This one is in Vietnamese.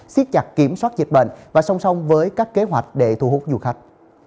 siết chặt kiểm soát dịch bệnh và song song với các kế hoạch để thu hút du khách